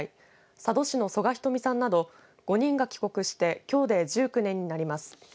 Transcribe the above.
佐渡市の曽我ひとみさんなど５人が帰国してきょうで１９年になります。